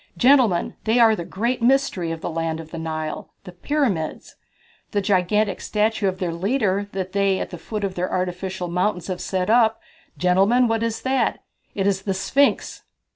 Gentlemen, they are the great mystery of the land of the Nile, the Pyramids. The gigantic statue of their leader that they at the foot of their artificial mountains have set up gentlemen, what is that? It is the Sphinx!"